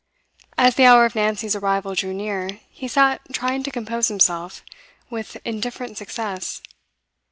As the hour of Nancy's arrival drew near, he sat trying to compose himself with indifferent success.